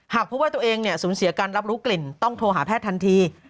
หากพบว่าตัวเองสูญเสียการรับรู้กลิ่นต้องโทรหาแพทย์ทันที